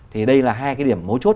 thì đây là hai cái điểm mối chốt